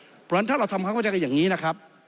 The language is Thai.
เพราะฉะนั้นถ้าเราทำความเข้าใจกันอย่างนี้นะครับ